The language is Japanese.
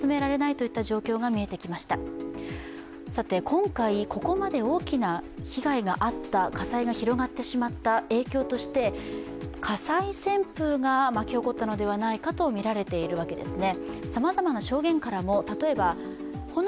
今回、ここまで大きな被害があった火災が広がってしまった影響として火災旋風が巻き起こったのではないかとみられているんですね。